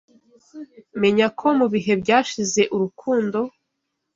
Menya ko mubihe byashize Urukundo